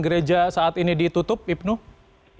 gereja saat ini ditutup ibnu